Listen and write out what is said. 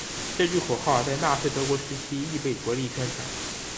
这句口号在纳粹德国时期亦被着力宣传。